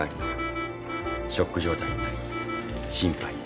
ショック状態になり心肺停止に。